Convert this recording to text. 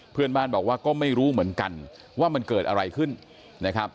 เพื่อนบ้านบอกว่าก็ไม่รู้เหมือนกันว่ามันเกิดอะไรขึ้นนะครับ